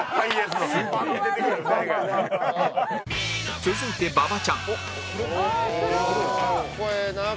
続いて馬場ちゃんあっ黒！